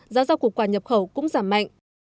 giá rau củ quả nhập khẩu cũng giảm mạnh